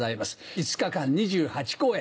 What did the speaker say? ５日間２８公演。